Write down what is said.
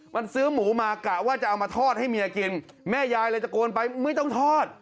มันซื้อหมูมากะว่าจะเอามาทอดให้เมียกินแม่ยายเลยตะโกนไปไม่ต้องทอด